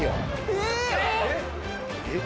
えっ？